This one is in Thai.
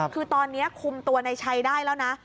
คือตอนนี้คุมตัวในชัยได้แล้วนะ